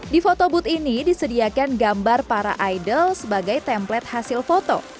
di photo booth ini disediakan gambar para idol sebagai template hasil foto